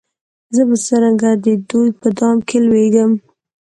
زه به څرنګه د دوی په دام کي لوېږم